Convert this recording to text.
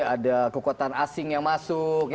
ada kekuatan asing yang masuk